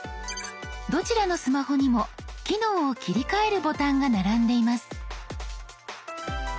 どちらのスマホにも機能を切り替えるボタンが並んでいます。